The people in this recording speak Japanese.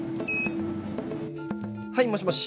はいもしもし